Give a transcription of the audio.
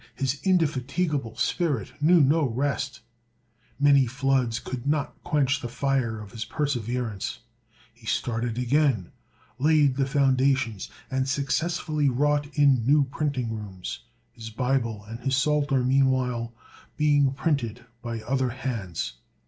His indefatigable spirit knew no rest; many floods could not quench the fire of his perseverance; he started again, laid the foundations, and successfully wrought in new printing rooms, his Bible and his Psalter meanwhile being printed by other hands.